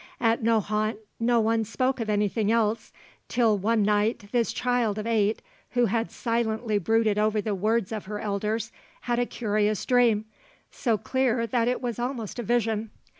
At Nohant no one spoke of anything else, till one night this child of eight, who had silently brooded over the words of her elders, had a curious dream, so clear that it was almost a vision.